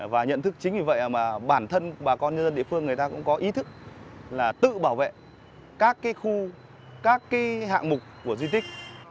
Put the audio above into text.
và nhận thức chính vì vậy mà bản thân bà con nhân dân địa phương người ta cũng có ý thức là tự bảo vệ các khu các hạng mục của di tích